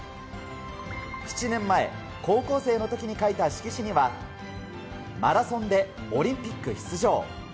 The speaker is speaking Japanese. ７年前、高校生の時に書いた色紙には、マラソンでオリンピック出場。